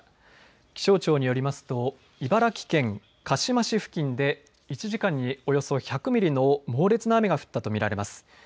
気象庁によりますと茨城県鹿嶋市付近で１時間におよそ１００ミリの猛烈な雨が降ったと見られます。